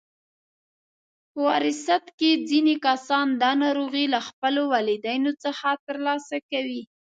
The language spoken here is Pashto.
په وراثت کې ځینې کسان دا ناروغي له خپلو والدینو څخه ترلاسه کوي.